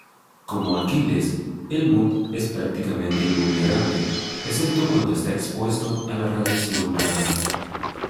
Como Aquiles, Helmut es prácticamente invulnerable, excepto cuando está expuesto a la radiación gamma.